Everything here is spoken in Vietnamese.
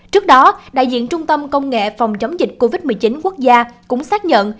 trước đó đại diện trung tâm công nghệ phòng chống dịch covid một mươi chín quốc gia cũng xác nhận